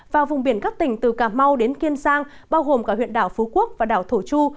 và vùng biển các tỉnh từ cà mau đến kiên giang bao gồm cả huyện đảo phú quốc và đảo thổ chu